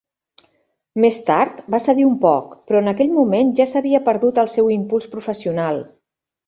Més tard va cedir un poc, però en aquell moment ja s'havia perdut el seu impuls professional.